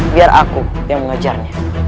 biar aku yang mengejarnya